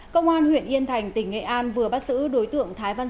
công an huyện yên thành tỉnh nghệ an vừa bắt xử đối tượng thái lan